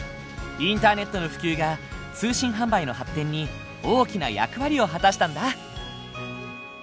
インターネットの普及が通信販売の発展に大きな役割を果たしたんだ。